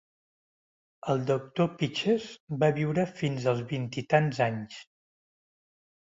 El Doctor Peaches va viure fins als vint-i-tants anys.